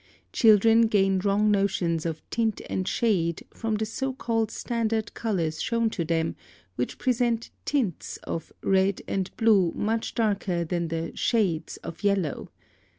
Children gain wrong notions of "tint and shade" from the so called standard colors shown to them, which present "tints" of red and blue much darker than the "shades" of yellow.